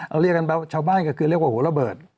เรียกกันว่าชาวบ้านก็คือเรียกว่าหัวระเบิด